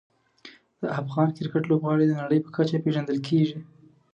د افغان کرکټ لوبغاړي د نړۍ په کچه پېژندل کېږي.